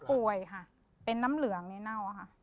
ป่วยค่ะเป็นน้ำเหลืองในเน่าค่ะ